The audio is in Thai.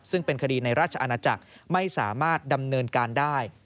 ซึ่งเป็นคดีในราชอาณาจักรไม่สามารถดำเนินการได้